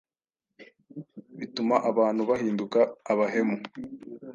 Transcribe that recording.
bituma abantu bahinduka abahemu;